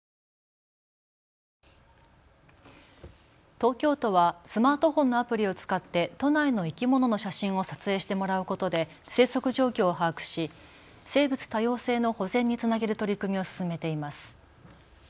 東京都はスマートフォンのアプリを使って都内の生き物の写真を撮影してもらうことで生息状況を把握し、生物多様性の保全につなげる取り組みを進めています。